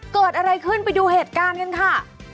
เกิดอะไรขึ้นไปดูเหตุการณ์กันค่ะ